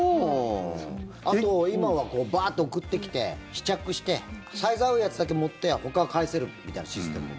あと、今はバーッと送ってきて試着してサイズ合うやつだけ持ってほかは返せるみたいなシステムも。